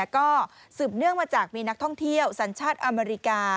ก็สืบเนื่องมาจากมีนักท่องเที่ยวสัญชาติอเมริกา